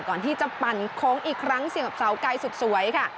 ก่อนที่จะปั่นโค้งอีกครั้งเสียบกับเสาไกลสุดสวยค่ะ